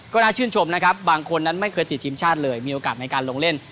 ก็น่าชื่นชมนะครับบางคนนั้นไม่เคยติดทีมชาติเลยมีโอกาสในการลงเล่น